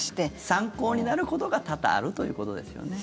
参考になることが多々あるということですよね。